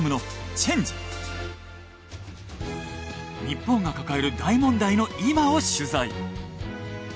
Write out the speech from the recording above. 日本が抱える大問題の今を取材。